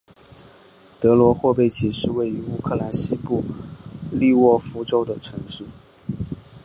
德罗霍贝奇是位于乌克兰西部利沃夫州的城市。